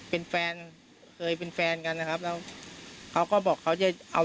เป็นแฟนเคยเป็นแฟนกันนะครับแล้วเขาก็บอกเขาจะเอา